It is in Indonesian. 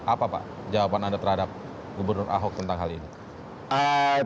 apa pak jawaban anda terhadap gubernur ahok tentang hal ini